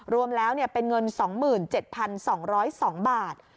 รวมแล้วเป็นเงิน๒๗๒๐๒บาท